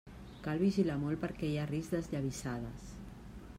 Cal vigilar molt perquè hi ha risc d'esllavissades.